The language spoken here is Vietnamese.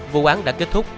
vụ án đã kết thúc